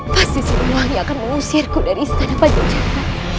pasti si liwangi akan menyusirku dari istana pajajaran